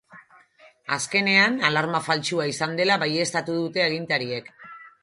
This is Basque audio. Azkenean, alarma faltsua izan dela baieztatu dute agintariek.